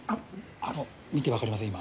あの見てわかりません？